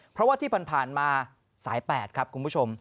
เพราะว่าที่ผ่านมาสาย๘ครับคุณผู้ชม